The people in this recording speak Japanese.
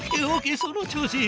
その調子。